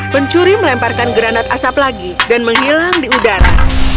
pencuri melemparkan granat asap lagi dan menghilang di udara